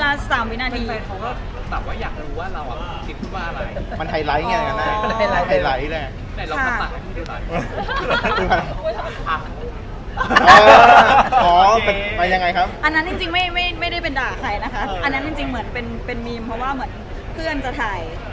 อันนั้นจริงเหมียมเพราะว่าเพื่อนจะไทย